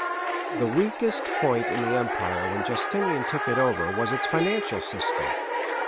The weakest point in the empire when Justinian took it over was its financial system.